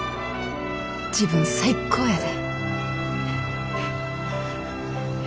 自分最高やで！